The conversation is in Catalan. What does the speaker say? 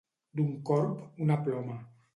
D'un corb, una ploma.